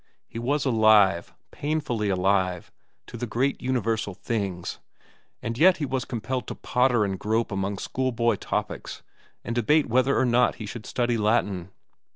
He was alive, painfully alive, to the great universal things, and yet he was compelled to potter and grope among schoolboy topics and debate whether or not he should study Latin.